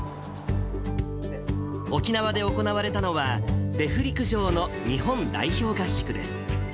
沖縄で行われたのは、デフ陸上の日本代表合宿です。